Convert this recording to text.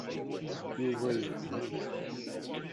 Yuba yefhem.